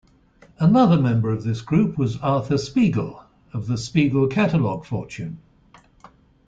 Another member of this group was Arthur Spiegel, of the Spiegel Catalog fortune.